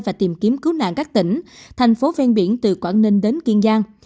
và tìm kiếm cứu nạn các tỉnh thành phố ven biển từ quảng ninh đến kiên giang